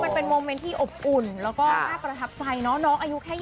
มันเป็นโมเมนต์ที่อบอุ่นแล้วก็น่าประทับใจเนาะน้องอายุแค่๒๐